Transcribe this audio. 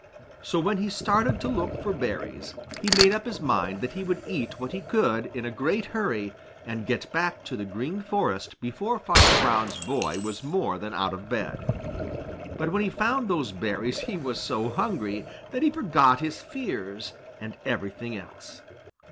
So when he started to look for berries, he made up his mind that he would eat what he could in a great hurry and get back to the Green Forest before Farmer Brown's boy was more than out of bed. But when he found those berries he was so hungry that he forgot his fears and everything else.